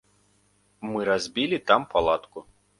Мы разбілі там палатку.